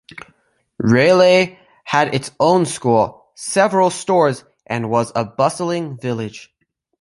Raleigh had its own school, several stores, and was a bustling village.